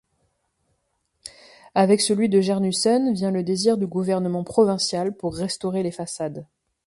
Avec celui de Jernhusen vient le désir du gouvernement provincial pour restaurer les façades.